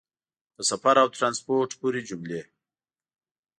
په سفر او ټرانسپورټ پورې جملې